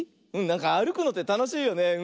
なんかあるくのってたのしいよね。